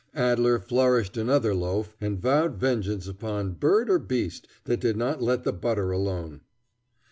Adler flourished another loaf and vowed vengeance upon bird or beast that did not let the butter alone.